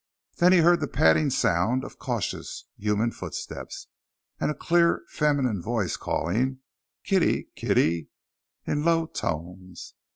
Then he heard the padding sound of cautious human footsteps, and a clear feminine voice calling "Kitty, kitty," in low tones.